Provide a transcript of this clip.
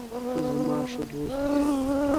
ته زما ښه دوست یې.